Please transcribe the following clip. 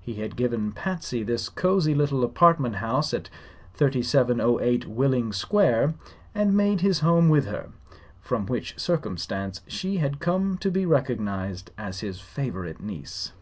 He had given Patsy this cosy little apartment house at 3708 Willing Square and made his home with her, from which circumstance she had come to be recognized as his favorite niece.